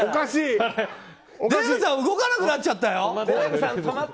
デーブさん動かなくなっちゃったよ！